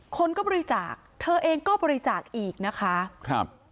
คนก็บริจาคเธอเองก็บริจาคอีกนะคะครับ